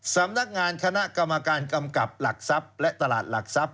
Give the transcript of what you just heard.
สำนักงานคณะกรรมการกำกับหลักทรัพย์และตลาดหลักทรัพย